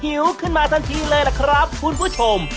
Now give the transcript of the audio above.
หิวขึ้นมาทันทีเลยล่ะครับคุณผู้ชม